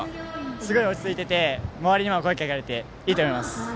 すごい落ち着いてて周りにも、声をかけれられていいと思います。